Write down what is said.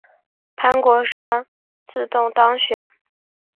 潘国山自动当选。